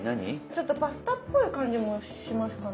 ちょっとパスタっぽい感じもしますかね。